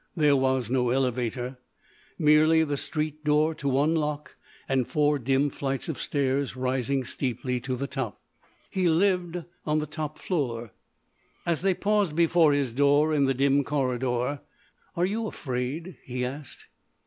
There was no elevator—merely the street door to unlock and four dim flights of stairs rising steeply to the top. He lived on the top floor. As they paused before his door in the dim corridor: "Are you afraid?" he asked.